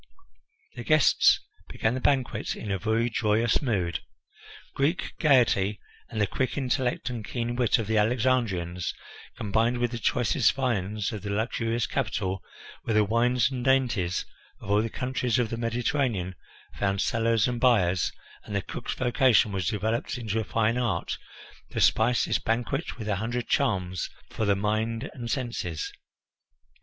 The guests began the banquet in a very joyous mood. Greek gaiety, and the quick intellect and keen wit of the Alexandrians, combined with the choicest viands of the luxurious capital, where the wines and dainties of all the countries of the Mediterranean found sellers and buyers, and the cook's vocation was developed into a fine art, to spice this banquet with a hundred charms for the mind and senses.